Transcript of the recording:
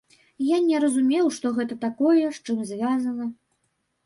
Я не разумеў, што гэта такое, з чым звязана.